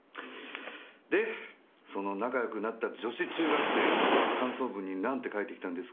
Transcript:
でその仲良くなった女子中学生は感想文になんて書いてきたんですか？